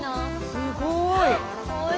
すごい。